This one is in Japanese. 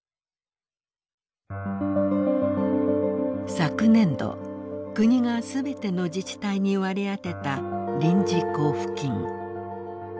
昨年度国が全ての自治体に割り当てた臨時交付金。